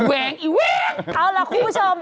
เอาล่ะคุณผู้ชม